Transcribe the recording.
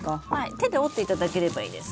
手で折っていただければいいです。